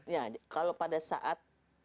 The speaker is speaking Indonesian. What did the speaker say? iya kalau pada saat